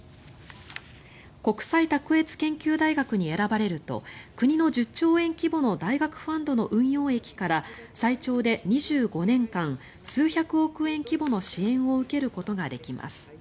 国際卓越研究大学に選ばれると国の１０兆円規模の大学ファンドの運用益から最長で２５年間数百億円規模の支援を受けることができます。